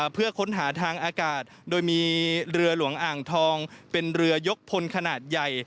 เพื่อค้นหาทางอากาศโดยมีเรือหลวงอ่างทองเป็นเรือยกพลขนาดใหญ่